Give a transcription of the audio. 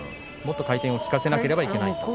もっと回転を効かせなければいけないと。